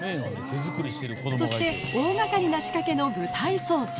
そして大がかりな仕掛けの舞台装置。